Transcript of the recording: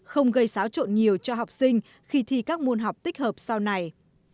không gây xáo trộn nhiều cho học sinh khi thi các môn học tích hợp sau này